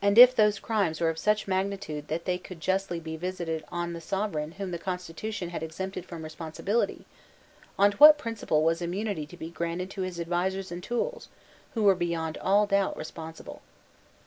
And, if those crimes were of such magnitude that they could justly be visited on the Sovereign whom the Constitution had exempted from responsibility, on what principle was immunity to be granted to his advisers and tools, who were beyond all doubt responsible?